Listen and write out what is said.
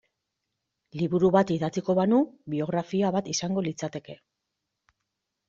Liburu bat idatziko banu biografia bat izango litzateke.